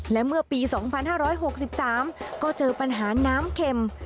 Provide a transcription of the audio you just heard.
และเมื่อปี๒๕๖๓ก็เจอปัญหาน้ำเข็ม